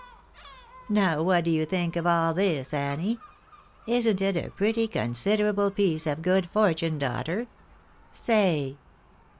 Now what do you think of all this, Annie ? Isn't it a pretty considerable piece of good fortune, daughter ?— Say."